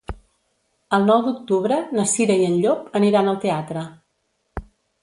El nou d'octubre na Cira i en Llop aniran al teatre.